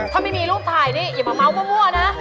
ถ้าไม่มีรูปถ่ายนี่อย่ามาเมาส์มั่วนะ